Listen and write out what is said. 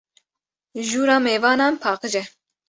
Jûra mêvanan paqij e.